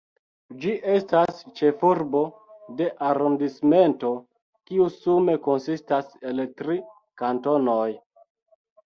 Ĝi estas ĉefurbo de arondismento, kiu sume konsistas el tri kantonoj.